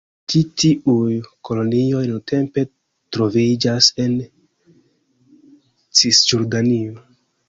Ĉi tiuj kolonioj nuntempe troviĝas en Cisjordanio.